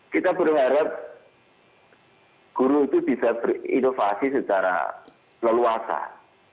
kita berharap guru itu bisa berinovasi secara leluasa